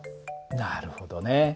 なるほどね。